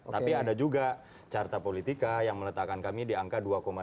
tapi ada juga carta politika yang meletakkan kami di angka dua tiga